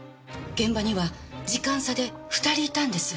現場には時間差で２人いたんです。